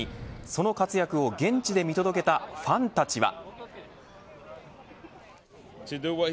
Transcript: その活躍を現地で見届けたファンたちは。